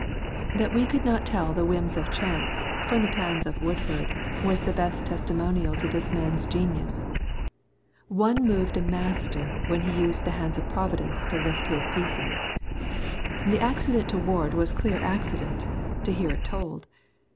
That we could not tell the whims of chance from the plans of Woodford was the best testimonial to this man's genius. One moved a master when he used the hands of Providence to lift his pieces. The accident to Ward was clear accident, to hear it told.